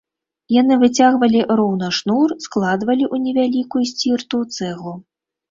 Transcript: Яны выцягвалі роўна шнур, складвалі ў невялікую сцірту цэглу.